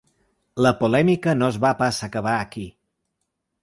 La polèmica no es va pas acabar aquí.